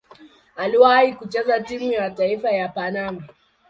Aliwahi kucheza timu ya taifa ya Panama.